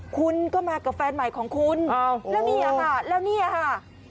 คุณก็มากับแฟนใหม่ของคุณแล้วเนี่ยค่ะแล้วเนี่ยค่ะ